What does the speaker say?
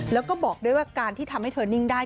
แล้วก็บอกด้วยว่าการที่ทำให้เธอนิ่งได้